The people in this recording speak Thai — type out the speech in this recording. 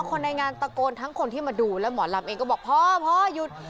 คนในงานตะโกนทั้งคนที่มาดูและหมอลำเองก็บอกพ่อพ่อหยุด